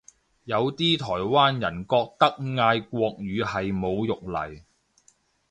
有啲台灣人覺得嗌國語係侮辱嚟